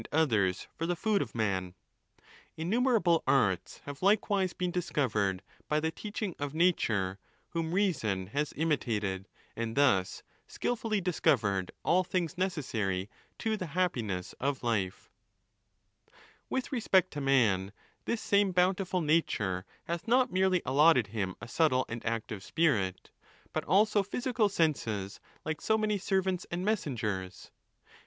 others for the food of man, Innumerable arts have likewise been discovered by the teaching of nature, whom reason has imitated, and thus skilfully discovered all things necessary to the happiness of life, ok" A 410 ON THE LAWS. IX. With respect to man, this same bountiful nature hath: not merely allotted him a subtle and active spirit, but also. physical senses, liké so many servants and messengers.